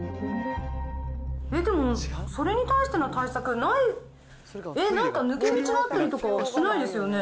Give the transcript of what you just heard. でも、それに対しての対策ない？えっ、何か抜け道があったりとかしないですよね？